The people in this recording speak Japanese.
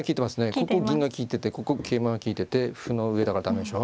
ここ銀が利いててここ桂馬が利いてて歩が上だから駄目でしょ。